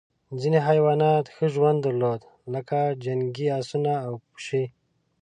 ځینې حیوانات ښه ژوند درلود لکه جنګي اسونه او پشۍ.